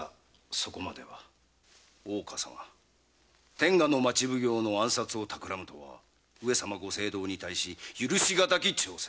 天下の町奉行の暗殺を企むとは上様ご政道に対し許し難き挑戦。